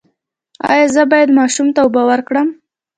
ایا زه باید ماشوم ته اوبه ورکړم؟